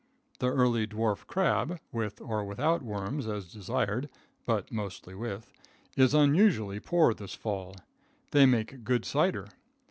The early dwarf crab, with or without, worms, as desired but mostly with is unusually poor this fall. They make good cider.